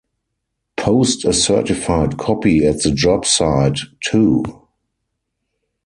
Post a certified copy at the job site, too.